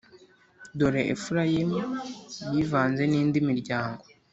Dore Efurayimu yivanze n’indi miryango,